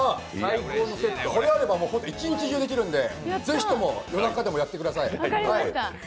これあれば一日中できるので、ぜひとも夜中でもやってください。